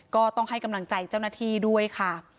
ก็ต้องให้กำลังใจเจ้าหน้าที่ด้วยค่ะ